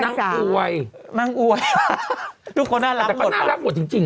นั่งอวยนั่งอวยทุกคนน่ารักแต่ก็น่ารักหมดจริงจริง